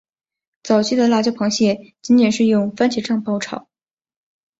早期的辣椒螃蟹仅仅是用番茄酱爆炒。